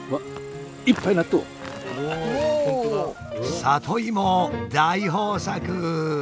里芋大豊作！